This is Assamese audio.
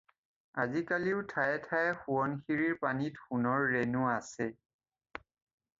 আজিকালিও ঠায়ে ঠায়ে সোৱণশিৰীৰ পানীত সোণৰ ৰেণু আছে।